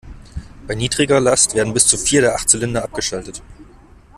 Bei niedriger Last werden bis zu vier der acht Zylinder abgeschaltet.